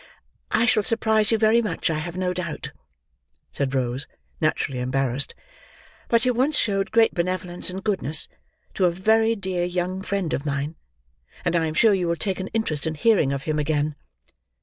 "I shall surprise you very much, I have no doubt," said Rose, naturally embarrassed; "but you once showed great benevolence and goodness to a very dear young friend of mine, and I am sure you will take an interest in hearing of him again."